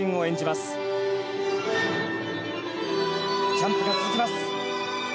ジャンプが続きます！